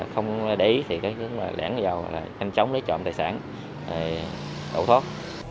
không để ý lẻn vào thanh trống lấy trộm tài sản đổ thốt